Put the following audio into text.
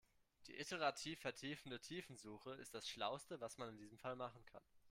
Die iterativ vertiefende Tiefensuche ist das schlauste, was man in diesem Fall machen kann.